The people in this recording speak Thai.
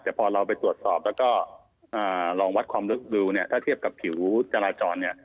แต่พอเราไปตรวจสอบแล้วก็ลองวัดความลึกดูเนี่ยถ้าเทียบกับผิวจราจรเนี่ย